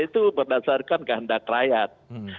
itu berdasarkan kehendak rakyat